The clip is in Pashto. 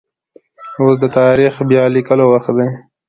اوس د تاريخ بيا ليکلو وخت دی.